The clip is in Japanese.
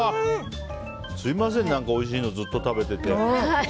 すみません、何かおいしいのずっと食べてて。